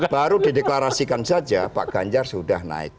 baru dideklarasikan saja pak ganjar sudah naik